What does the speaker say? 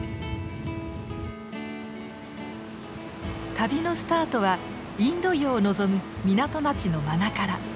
旅のスタートはインド洋を望む港町のマナカラ。